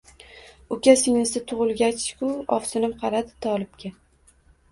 Uka-singlisi tug`ilgach-ku ovsinim qaradi Tolibga